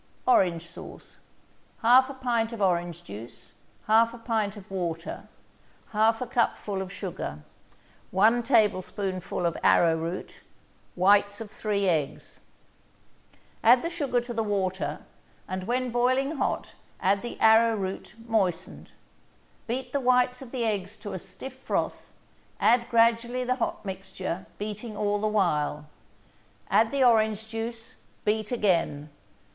ORANGE SAUCE 1/2 pint of orange juice 1/2 pint of water 1/2 cupful of sugar 1 tablespoonful of arrowroot Whites of three eggs Add the sugar to the water, and, when boiling hot, add the arrowroot moistened. Beat the whites of the eggs to a stiff froth, add gradually the hot mixture, beating all the while. Add the orange juice, beat again.